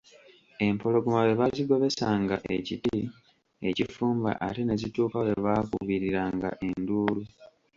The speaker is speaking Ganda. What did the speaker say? Empologoma bwe baazigobesanga ekiti ekifumba ate ne zituuka we baakubiriranga enduulu.